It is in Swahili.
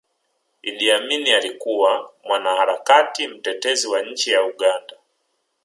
idi amini alikuwa mwanaharakati mtetezi wa nchi ya uganda